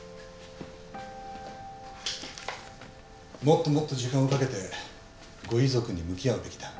もっともっと時間をかけてご遺族に向き合うべきだ。